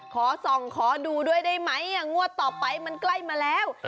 ขอส่องขอดูด้วยได้ไหมงวดต่อไปมันใกล้มาแล้ว